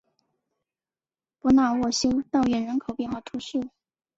博纳沃修道院人口变化图示